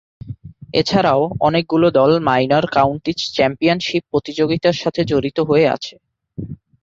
এছাড়াও, অনেকগুলো দল মাইনর কাউন্টিজ চ্যাম্পিয়নশীপ প্রতিযোগিতার সাথে জড়িত হয়ে আছে।